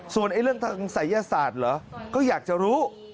ส่วนเรื่องทางศัยศาสตร์เหรอก็อยากจะรู้